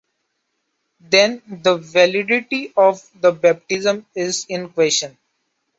Then, the validity of the baptism is in question.